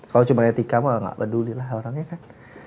kalau cuma etikamu gak peduli lah orangnya kan